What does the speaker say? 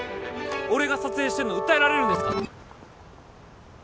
俺が撮影してるの訴えられるんですか？